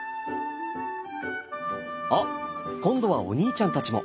あ今度はお兄ちゃんたちも。